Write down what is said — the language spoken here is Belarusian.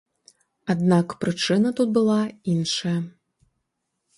Аднак прычына тут была іншая.